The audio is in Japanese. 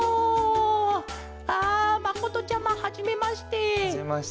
あまことちゃまはじめまして。